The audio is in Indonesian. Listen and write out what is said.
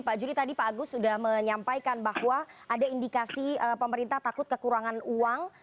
pak juli tadi pak agus sudah menyampaikan bahwa ada indikasi pemerintah takut kekurangan uang